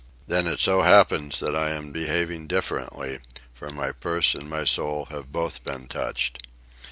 "Then it so happens that I am behaving differently, for my purse and my soul have both been touched.